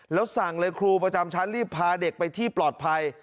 แล้วสั่งเลยครูประจำชั้นรีบพาเด็กไปที่ปลอดภัย